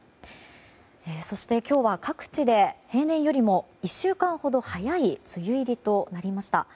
そして、今日は各地で平年よりも１週間ほど早い梅雨入りとなりました。